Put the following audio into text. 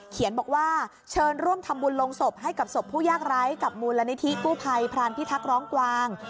บอกว่าเชิญร่วมทำบุญลงศพให้กับศพผู้ยากไร้กับมูลนิธิกู้ภัยพรานพิทักษ์ร้องกวาง